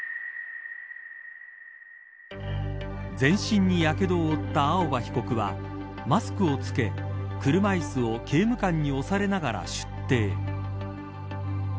全身にやけどを負った青葉被告はマスクを付け車いすを刑務官に押されながら出廷。